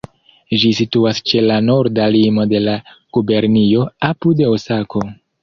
Ĝi situas ĉe la norda limo de la gubernio, apud Osako.